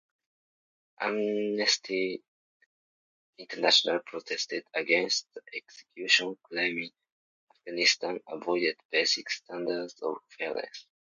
Amnesty International protested against the execution claiming Afghanistan avoided basic standards of fairness.